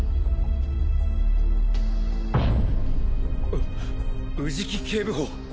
う宇治木警部補。